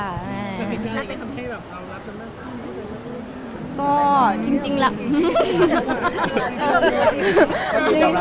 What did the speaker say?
แล้วเป็นคำถามให้เรารับกันบ้างค่ะ